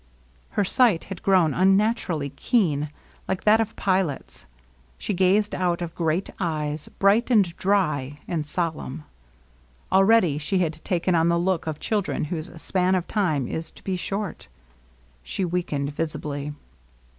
Her sight had grown unnaturally keen, like that of pilots; she gazed out of great eyes, bright, and dry, and solemn. Already she had taken on the look of children whose span of time is to be short. She weakened visibly.